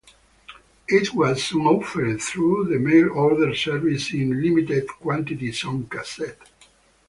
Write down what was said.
It was soon offered through the mail-order service in limited quantities on cassette.